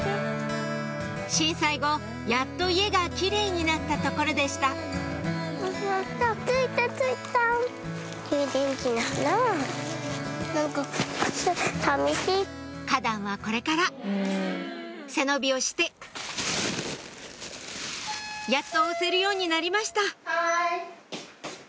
震災後やっと家がキレイになったところでした花壇はこれから背伸びをしてやっと押せるようになりましたはい！